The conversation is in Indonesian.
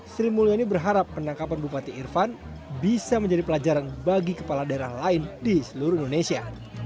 sri mulyani berharap penangkapan bupati irfan bisa menjadi pelajaran bagi kepala daerah lain di seluruh indonesia